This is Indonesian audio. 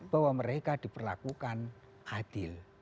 bahwa mereka diperlakukan adil